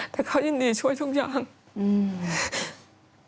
แต่เขายินดีช่วยทุกอย่างอืม